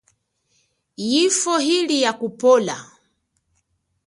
Yifwo ili ya kupola.